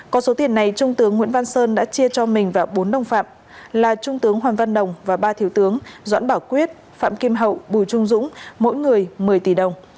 có số tiền này trung tướng nguyễn văn sơn đã chia cho mình và bốn đồng phạm là trung tướng hoàng văn đồng và ba thiếu tướng doãn bảo quyết phạm kim hậu bùi trung dũng mỗi người một mươi tỷ đồng